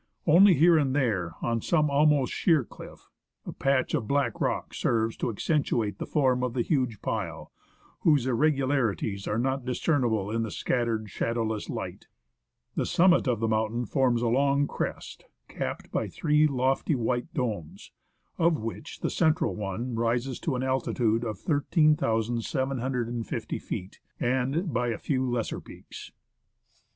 Only here and there, on some almost sheer cliff, a patch of black rock serves to accentuate the form of the huge pile, whose irregularities are not discernible in the scattered, shadow less light. The summit of the mountain forms a long crest capped by three lofty white domes, of which the central one rises to an altitude of 13,750 feet, and by a few lesser peaks.